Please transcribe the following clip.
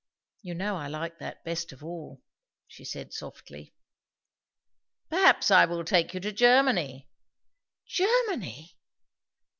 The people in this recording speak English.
"You know I like that best of all " she said softly. "Perhaps I will take you to Germany." "Germany!"